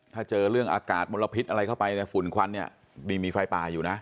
ถ้าเจอเรื่องอากาศมลพิษอะไรเข้าไปเนี่ยฝุ่นควันเนี่ยดีมีไฟป่าอยู่นะ